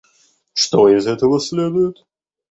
Что из этого следует?